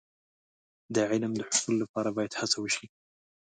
د علم د حصول لپاره باید هڅه وشي.